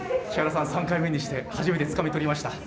木原さん、３回目にして初めてつかみとりました。